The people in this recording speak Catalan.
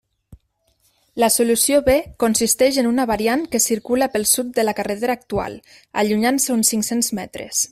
La solució B consisteix en una variant que circula pel sud de la carretera actual, allunyant-se uns cinc-cents metres.